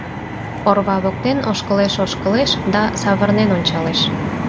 Орва воктен ошкылеш-ошкылеш да савырнен ончалеш.